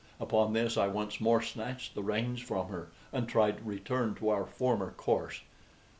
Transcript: Upon this I once more snatched the reins from her, and tried to return to our former course.